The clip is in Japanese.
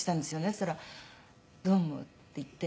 そしたら「どうも」って言って。